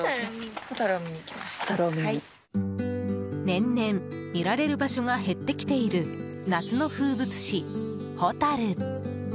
年々、見られる場所が減ってきている夏の風物詩ホタル。